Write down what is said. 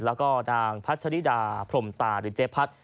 แล้วก็นางพัชริดาพรมตาหรือเจ๊พัด